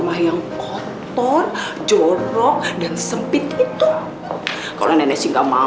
saya ingin banyak banget hanya kedatangan